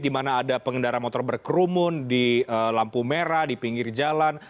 di mana ada pengendara motor berkerumun di lampu merah di pinggir jalan